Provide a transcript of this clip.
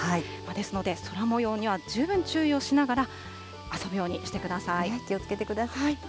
ですので、空もようには十分注意をしながら、遊ぶようにしてくだ気をつけてください。